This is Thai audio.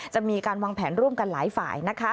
จะมีการวางแผนร่วมกันหลายฝ่ายนะคะ